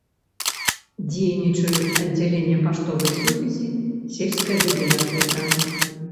Дзейнічаюць аддзяленне паштовай сувязі, сельская бібліятэка.